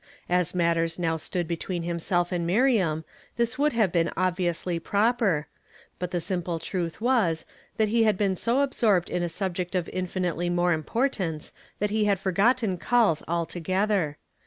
As matters now stood between him self and Miriam this would have been obviously proper, but the simple truth was that he had been so absorbed in a subject of infinitely more impor tance that he had forgotten calls altogether.